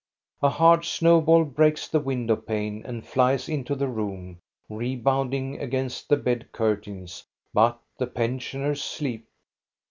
A hard snowball breaks the window pane and flies into the room, rebounding against the bed curtains, but the pensioners sleep.